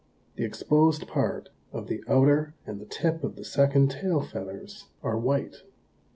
The exposed part of the outer and the tip of the second tail feathers are white.